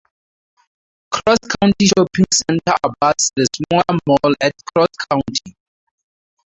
Cross County Shopping Center abuts the smaller Mall at Cross County.